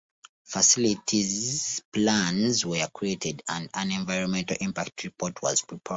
Facilities plans were created and an Environmental Impact Report was prepared.